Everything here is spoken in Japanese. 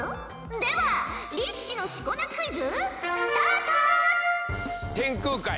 では力士のしこ名クイズスタート！